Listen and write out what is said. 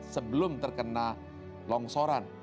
sebelum terkena longsoran